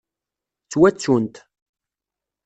Ttwattunt.